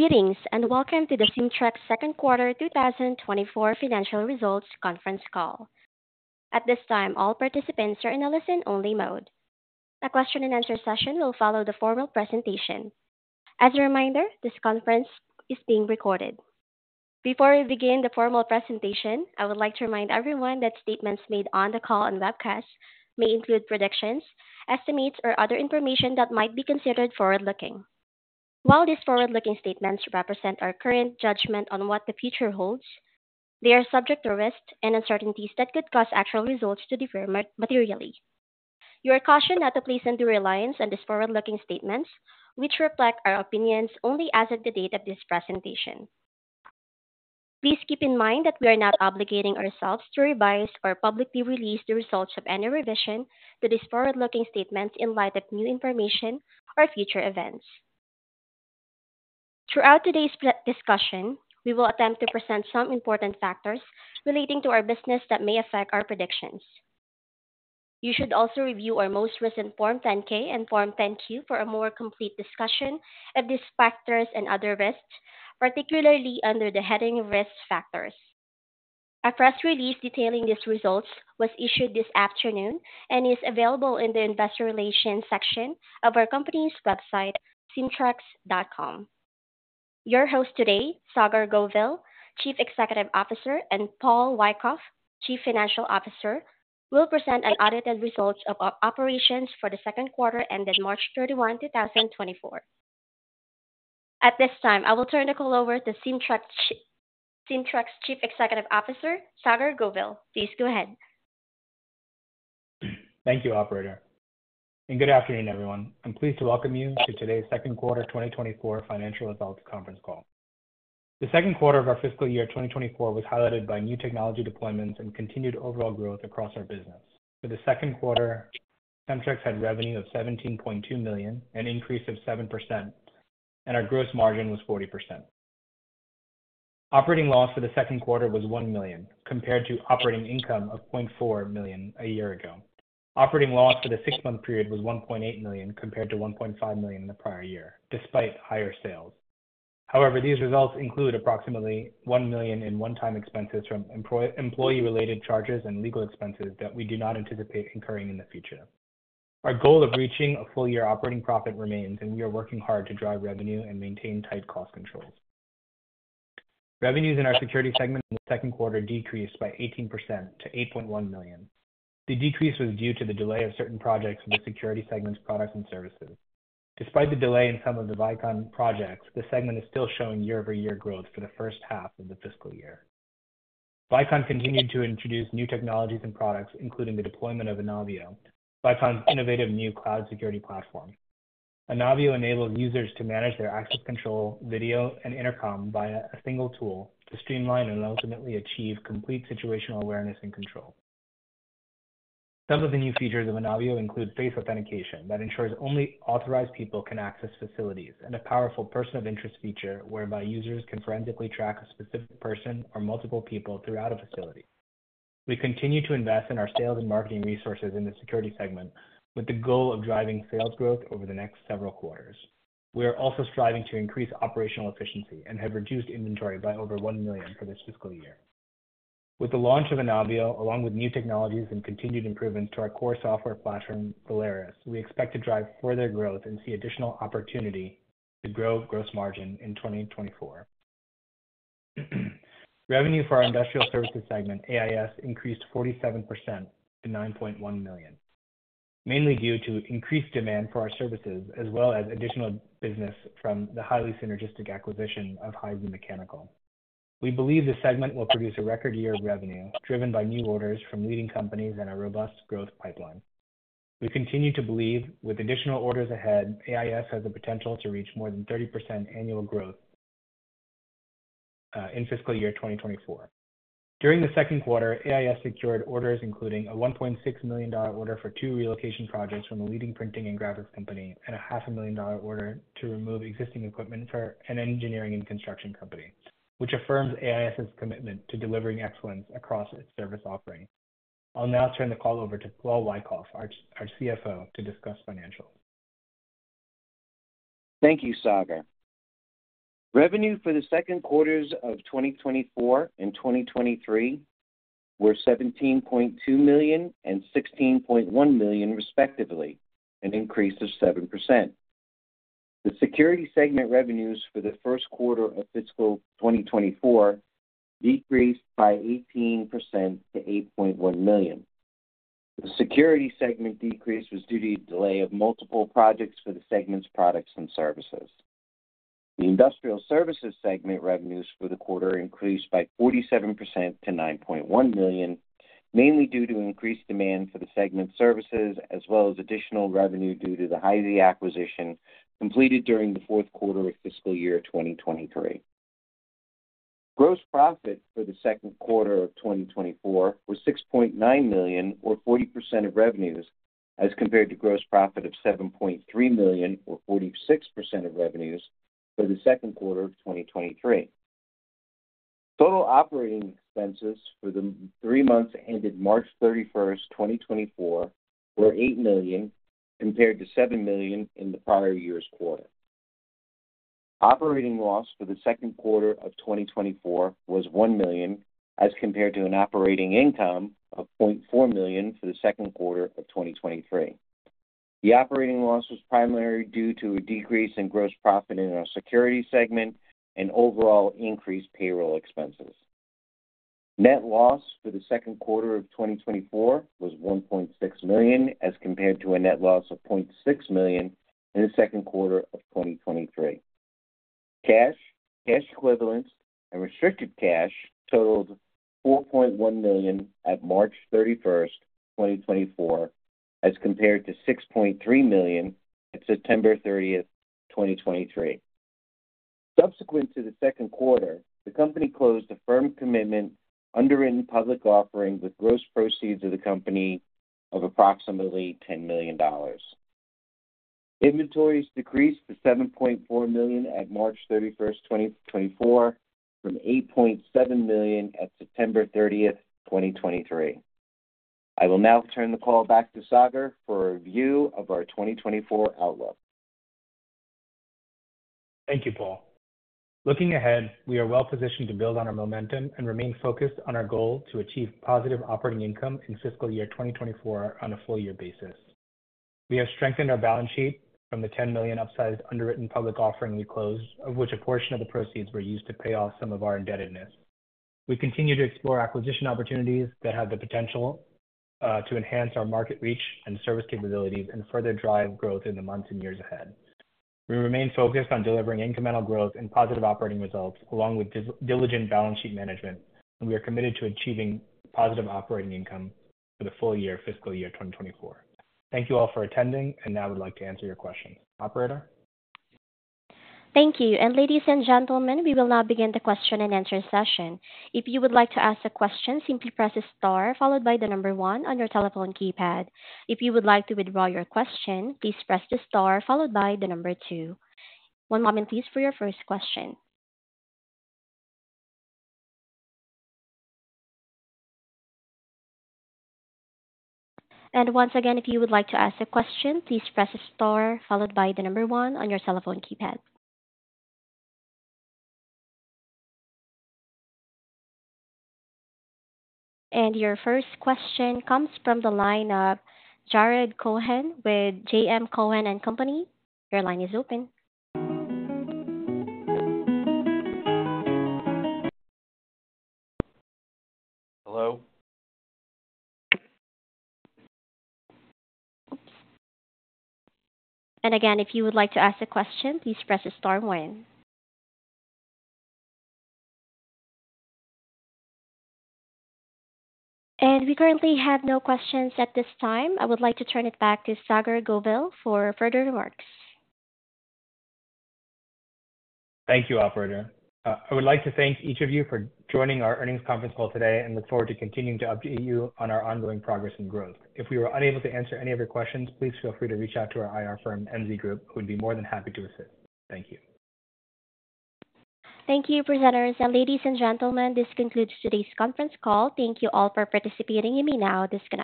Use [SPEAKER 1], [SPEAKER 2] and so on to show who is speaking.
[SPEAKER 1] Greetings and welcome to the Cemtrex second quarter 2024 financial results conference call. At this time, all participants are in a listen-only mode. The question-and-answer session will follow the formal presentation. As a reminder, this conference is being recorded. Before we begin the formal presentation, I would like to remind everyone that statements made on the call and webcast may include predictions, estimates, or other information that might be considered forward-looking. While these forward-looking statements represent our current judgment on what the future holds, they are subject to risk and uncertainties that could cause actual results to differ materially. You are cautioned not to place any reliance on these forward-looking statements, which reflect our opinions only as of the date of this presentation. Please keep in mind that we are not obligating ourselves to revise or publicly release the results of any revision to these forward-looking statements in light of new information or future events. Throughout today's discussion, we will attempt to present some important factors relating to our business that may affect our predictions. You should also review our most recent Form 10-K and Form 10-Q for a more complete discussion of these factors and other risks, particularly under the heading "Risk Factors." A press release detailing these results was issued this afternoon and is available in the Investor Relations section of our company's website, cemtrex.com. Your hosts today, Saagar Govil, Chief Executive Officer, and Paul Wyckoff, Chief Financial Officer, will present unaudited results of operations for the second quarter ended March 31, 2024. At this time, I will turn the call over to Cemtrex Chief Executive Officer Saagar Govil. Please go ahead.
[SPEAKER 2] Thank you, Operator. Good afternoon, everyone. I'm pleased to welcome you to today's second quarter 2024 financial results conference call. The second quarter of our fiscal year 2024 was highlighted by new technology deployments and continued overall growth across our business. For the second quarter, Cemtrex had revenue of $17.2 million, an increase of 7%, and our gross margin was 40%. Operating loss for the second quarter was $1 million, compared to operating income of $0.4 million a year ago. Operating loss for the six-month period was $1.8 million, compared to $1.5 million in the prior year, despite higher sales. However, these results include approximately $1 million in one-time expenses from employee-related charges and legal expenses that we do not anticipate incurring in the future. Our goal of reaching a full-year operating profit remains, and we are working hard to drive revenue and maintain tight cost controls. Revenues in our security segment in the second quarter decreased by 18% to $8.1 million. The decrease was due to the delay of certain projects in the security segment's products and services. Despite the delay in some of the Vicon projects, the segment is still showing year-over-year growth for the first half of the fiscal year. Vicon continued to introduce new technologies and products, including the deployment of Anavio, Vicon's innovative new cloud security platform. Anavio enables users to manage their access control, video, and intercom via a single tool to streamline and ultimately achieve complete situational awareness and control. Some of the new features of Anavio include face authentication that ensures only authorized people can access facilities, and a powerful person-of-interest feature whereby users can forensically track a specific person or multiple people throughout a facility. We continue to invest in our sales and marketing resources in the security segment with the goal of driving sales growth over the next several quarters. We are also striving to increase operational efficiency and have reduced inventory by over $1 million for this fiscal year. With the launch of Anavio, along with new technologies and continued improvements to our core software platform, Valerus, we expect to drive further growth and see additional opportunity to grow gross margin in 2024. Revenue for our industrial services segment, AIS, increased 47% to $9.1 million, mainly due to increased demand for our services as well as additional business from the highly synergistic acquisition of Heisey Mechanical. We believe the segment will produce a record year of revenue driven by new orders from leading companies and a robust growth pipeline. We continue to believe with additional orders ahead, AIS has the potential to reach more than 30% annual growth in fiscal year 2024. During the second quarter, AIS secured orders including a $1.6 million order for two relocation projects from a leading printing and graphics company and a $500,000 order to remove existing equipment for an engineering and construction company, which affirms AIS's commitment to delivering excellence across its service offering. I'll now turn the call over to Paul Wyckoff, our CFO, to discuss financials.
[SPEAKER 3] Thank you, Saagar. Revenue for the second quarters of 2024 and 2023 were $17.2 million and $16.1 million, respectively, an increase of 7%. The security segment revenues for the first quarter of fiscal 2024 decreased by 18% to $8.1 million. The security segment decrease was due to the delay of multiple projects for the segment's products and services. The industrial services segment revenues for the quarter increased by 47% to $9.1 million, mainly due to increased demand for the segment's services as well as additional revenue due to the Heisey acquisition completed during the fourth quarter of fiscal year 2023. Gross profit for the second quarter of 2024 was $6.9 million, or 40% of revenues, as compared to gross profit of $7.3 million, or 46% of revenues, for the second quarter of 2023. Total operating expenses for the three months ended March 31, 2024, were $8 million, compared to $7 million in the prior year's quarter. Operating loss for the second quarter of 2024 was $1 million, as compared to an operating income of $0.4 million for the second quarter of 2023. The operating loss was primarily due to a decrease in gross profit in our security segment and overall increased payroll expenses. Net loss for the second quarter of 2024 was $1.6 million, as compared to a net loss of $0.6 million in the second quarter of 2023. Cash, cash equivalents, and restricted cash totaled $4.1 million at March 31, 2024, as compared to $6.3 million at September 30, 2023. Subsequent to the second quarter, the company closed a firm commitment underwritten public offering with gross proceeds of the company of approximately $10 million. Inventories decreased to $7.4 million at March 31, 2024, from $8.7 million at September 30, 2023. I will now turn the call back to Saagar for a review of our 2024 outlook.
[SPEAKER 2] Thank you, Paul. Looking ahead, we are well-positioned to build on our momentum and remain focused on our goal to achieve positive operating income in fiscal year 2024 on a full-year basis. We have strengthened our balance sheet from the $10 million upsized underwritten public offering we closed, of which a portion of the proceeds were used to pay off some of our indebtedness. We continue to explore acquisition opportunities that have the potential to enhance our market reach and service capabilities and further drive growth in the months and years ahead. We remain focused on delivering incremental growth and positive operating results along with diligent balance sheet management, and we are committed to achieving positive operating income for the full-year fiscal year 2024. Thank you all for attending, and now would like to answer your questions. Operator.
[SPEAKER 1] Thank you. Ladies and gentlemen, we will now begin the question-and-answer session. If you would like to ask a question, simply press the star followed by the number 1 on your telephone keypad. If you would like to withdraw your question, please press the star followed by the number 2. One moment, please, for your first question. Once again, if you would like to ask a question, please press the star followed by the number 1 on your telephone keypad. Your first question comes from the line of Jared Cohen with J.M. Cohen & Company. Your line is open.
[SPEAKER 4] Hello?
[SPEAKER 1] Oops. Again, if you would like to ask a question, please press star one. We currently have no questions at this time. I would like to turn it back to Saagar Govil for further remarks.
[SPEAKER 2] Thank you, Operator. I would like to thank each of you for joining our earnings conference call today and look forward to continuing to update you on our ongoing progress and growth. If we were unable to answer any of your questions, please feel free to reach out to our IR firm, MZ Group. We'd be more than happy to assist. Thank you.
[SPEAKER 1] Thank you, presenters. Ladies and gentlemen, this concludes today's conference call. Thank you all for participating. You may now disconnect.